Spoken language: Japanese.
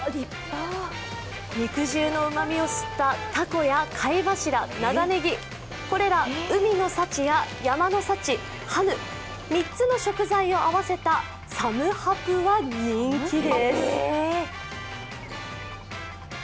肉汁のうまみを吸ったたこや貝柱、長ねぎこれら海の幸や山の幸、ハヌ、３つの食材を合わせたサムハプは人気です。